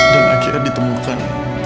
dan akhirnya ditemukan